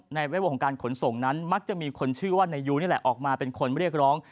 เว็บวงของการขนส่งนั้นมักจะมีคนชื่อว่านายยูนี่แหละออกมาเป็นคนเรียกร้อง